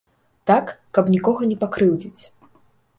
Так, каб нікога не пакрыўдзіць.